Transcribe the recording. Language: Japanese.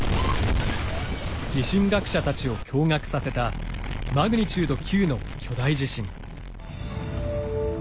地震学者たちを驚がくさせたマグニチュード９の巨大地震。